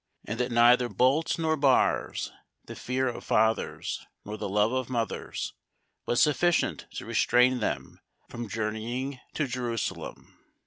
and that neither bolts nor bars, the fear of fathers, nor the love of mothers, was sufficient to restrain them from journeying to Jerusalem.